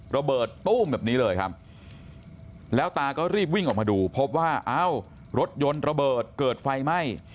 ระเบิดตู้มแบบนี้เลยครับแล้วตาก็รีบวิ่งออกมาดูพบว่าอ้าวรถยนต์ระเบิดเกิดไฟไหม้